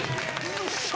よっしゃ！